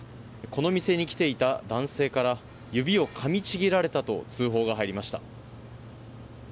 この店に来ていた男性から指をかみちぎられたと通報が入りました。